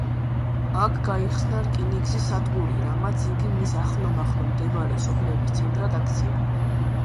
აქ გაიხსნა რკინიგზის სადგური, რამაც იგი მის ახლომახლო მდებარე სოფლების ცენტრად აქცია.